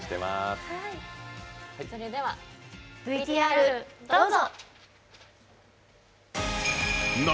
それではＶＴＲどうぞ。